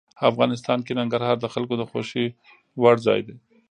افغانستان کې ننګرهار د خلکو د خوښې وړ ځای دی.